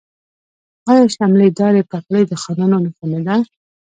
آیا شملې دارې پګړۍ د خانانو نښه نه ده؟